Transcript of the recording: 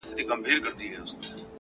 پوهه د انسان فکر ته ژورتیا وربښي!.